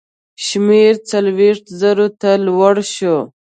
شمېر څلوېښتو زرو ته لوړ شو.